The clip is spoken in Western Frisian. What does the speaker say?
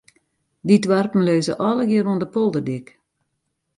Dy doarpen lizze allegear oan de polderdyk.